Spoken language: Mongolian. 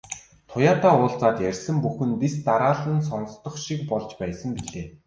Туяатай уулзаад ярьсан бүхэн дэс дараалан сонстох шиг болж байсан билээ.